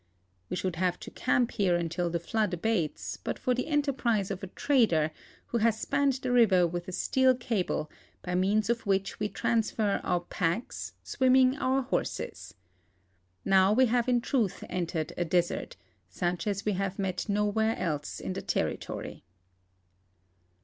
We should have to camp here until the flood abates hut for the enterprise of a trad.n . who has spanned the river with a steel cable by means of which we transfer our pac^ks. swimmiuir •)ur horses. Now we have in truth entered a desert, sndi . k w. have met nowhere else in the territory.